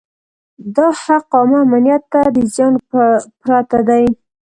دا حق عامه امنیت ته د زیان پرته دی.